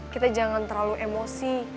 kita jangan terlalu emosi